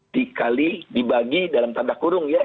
dikali dibagi dalam tanda kurung ya